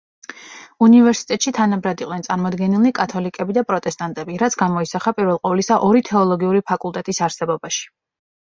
უნივერსიტეტში თანაბრად იყვნენ წარმოდგენილნი კათოლიკები და პროტესტანტები, რაც გამოისახა პირველყოვლისა ორი თეოლოგიური ფაკულტეტის არსებობაში.